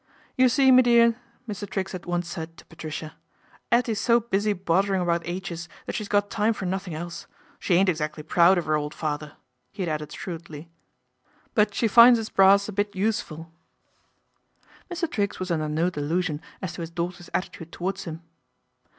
' You see, me dear," Mr. Triggs had once said to Patricia, " 'Ettie's so busy bothering about aitches that she's got time for nothing else. She ain't exactly proud of her old father," he had added shrewdly, " but she finds 'is brass a bit use 26 PATRICIA BRENT, SPINSTER ful." Mr. Triggs was under no delusion as to his daughter's attitude towards him.